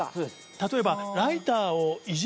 例えば。